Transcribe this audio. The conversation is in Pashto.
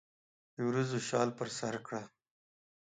د وریځو شال پر سرکړه